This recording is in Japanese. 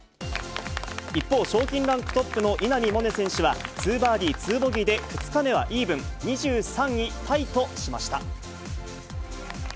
一方、賞金ランクトップの稲見萌寧選手は、２バーディー２ボギーで２日目はイーブン、２３位タイとしました。